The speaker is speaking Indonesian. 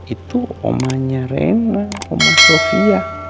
itu omanya rena oma sofia